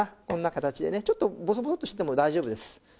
こんな形でねちょっとボソボソッとしてても大丈夫です。